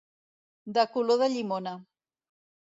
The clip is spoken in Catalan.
De color de llimona.